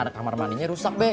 karena ada kamar mandinya rusak be